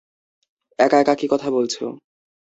একা একা কী কথা বলছো?